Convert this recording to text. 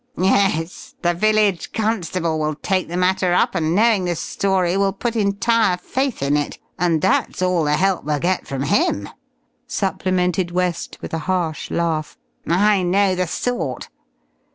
"Yes, the village constable will take the matter up, and knowing the story, will put entire faith in it, and that's all the help we'll get from him!" supplemented West with a harsh laugh. "I know the sort....